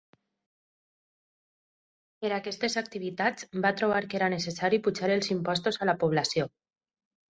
Per aquestes activitats, va trobar que era necessari pujar els impostos a la població.